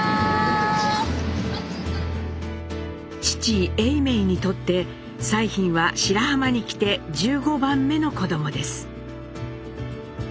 父・永明にとって彩浜は白浜に来て１５番目の子どもです。